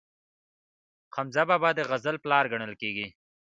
حمزه بابا د غزل پلار ګڼل کیږي.